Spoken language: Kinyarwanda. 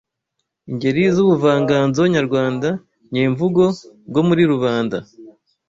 Ingeri z’ubuvanganzo nyarwanda nyemvugo bwo muri rubanda